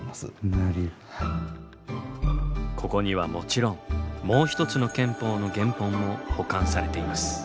ここにはもちろんもう１つの憲法の原本も保管されています。